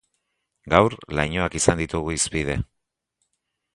Gaur, lainoak izan ditugu hizpide.